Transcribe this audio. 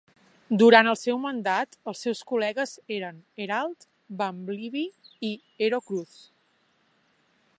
Durant el seu mandat, els seus col·legues eren Herald, Bumblebee i Hero Cruz.